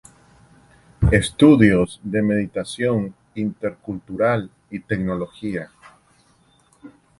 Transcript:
Estudios de Mediación Intercultural y Teología.